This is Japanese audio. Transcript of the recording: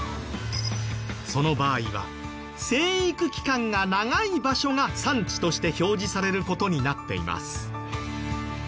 その場合は生育期間が長い場所が産地として表示される事になっています。